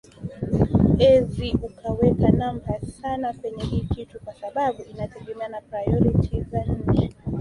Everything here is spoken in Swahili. ezi ukaweka numbers sana kwenye hii kitu kwa sababu inategemea na priorities za nchi